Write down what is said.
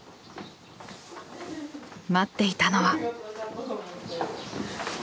待っていたのは。